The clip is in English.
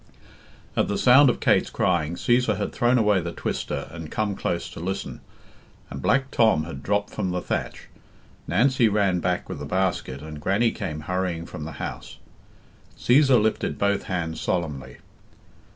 At the sound of Kate's crying, Cæsar had thrown away the twister and come close to listen, and Black Tom had dropped from the thatch. Nancy ran back with the basket, and Grannie came hurrying from the house. Cæsar lifted both hands solemnly.